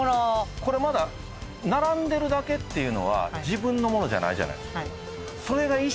これまだ並んでるだけっていうのは自分のものじゃないじゃないですか。